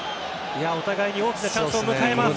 お互いに大きなチャンスを迎えます。